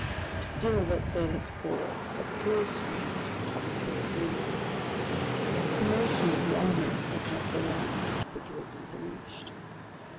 It was still what sailors call "a close reefed topsail breeze," but the commotion in the elements had none the less considerably diminished.